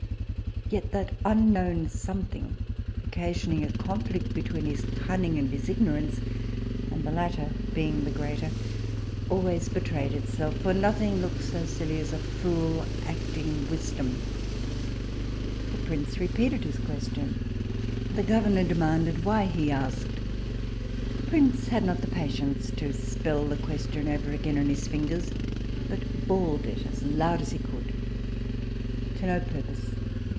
Yet that unknown something occasioning a conflict between his cunning and his ignorance, and the latter being the greater, always betrayed itself, for nothing looks so silly as a fool acting wisdom. The prince repeated his question; the governor demanded why he asked the prince had not patience to spell the question over again on his fingers, but bawled it as loud as he could to no purpose.